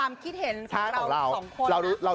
ไม่เป็นไรอันนี้คือความคิดเห็นของเราสองคนนะ